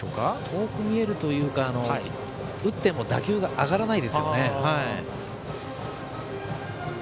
遠く見えるというか打っても打球が上がらないです。